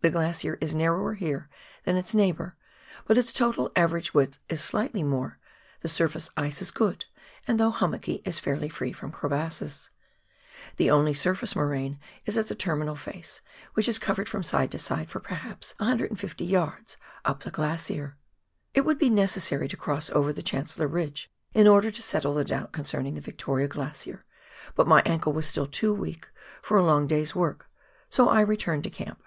The glacier is narrower here than its neighbour, but its total average width is slightly more ; the surface ice is good, and though hummocky, is fairly free from crevasses. The only surface moraine is at the terminal face, which is covered from side to side for perhaps 150 yards up the glacier. It would be necessary to cross over the Chancellor Jlidge in order to settle the doubt concerning the Victoria Glacier, but my ankle was still too weak for a long day's work, so I returned to camp.